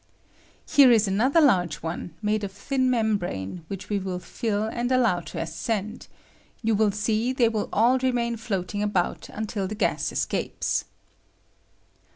] Here E'ia another larger one, made of thin membrane, I ■which we wiU fill and allow to ascend; you I will see they will all remain floating about rimtLl the gas escapes.